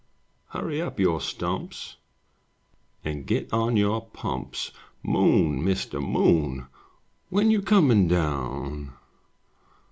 Hurry up your stumps. And get on your pumps! Moon, Mr. Moon, When you comin' down?